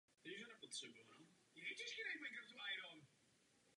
Slovanskou obdobou je mužské jméno Květoslav.